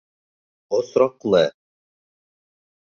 Осраҡлы!